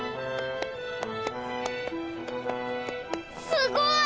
すごい！